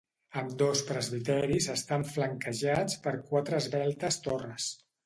Ambdós presbiteris estan flanquejats per quatre esveltes torres.